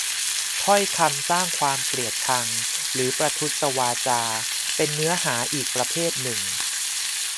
ถ้อยคำสร้างความเกลียดชัง หรือ ประทุษวาจา เป็นเนื้อหาอีกประเภทหนึ่ง